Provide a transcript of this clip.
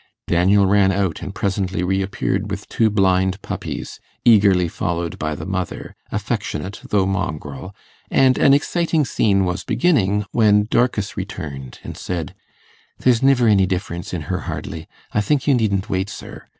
Daniel ran out, and presently reappeared with two blind puppies, eagerly followed by the mother, affectionate though mongrel, and an exciting scene was beginning when Dorcas returned and said, 'There's niver any difference in her hardly. I think you needn't wait, sir.